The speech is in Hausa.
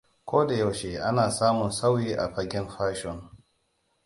Koda yaushe ana samun sauyi a fagen fashon.